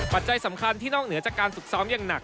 ปัจจัยสำคัญที่นอกเหนือจากการฝึกซ้อมอย่างหนัก